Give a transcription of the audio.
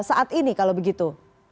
saat ini kalau begitu